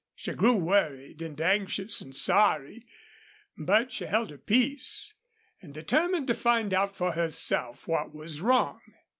She grew worried and anxious and sorry, but she held her peace, and determined to find out for herself what was wrong.